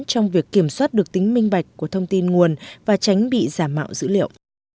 trong việc kiểm soát được tính minh bạch của thông tin nguồn và tránh bị giả mạo dữ liệu